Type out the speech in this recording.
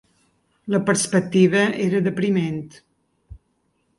La perspectiva era depriment